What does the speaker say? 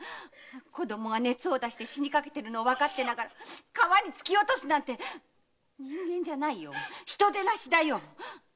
子どもが熱を出して死にかけてるのがわかっていながら川に突き落とすなんて人間じゃないよ人でなしだよ！